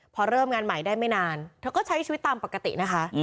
พอเริ่มงานใหม่ได้ไม่นานเธอก็ใช้ชีวิตตามปกตินะคะ